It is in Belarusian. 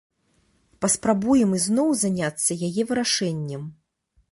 Паспрабуем ізноў заняцца яе вырашэннем.